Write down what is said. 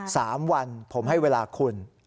สามวันผมให้เวลาคุณ